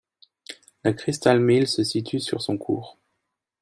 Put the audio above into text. La Crystal Mill se situe sur son cours.